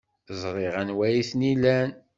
Ẓriɣ anwa ay ten-ilan.